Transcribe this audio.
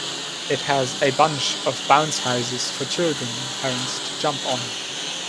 It has a bunch of bounce houses for children and parents to jump on.